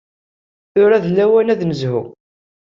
Tura d lawan ad nezhu.